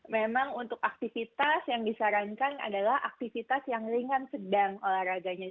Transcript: memang untuk aktivitas yang disarankan adalah aktivitas yang ringan sedang olahraganya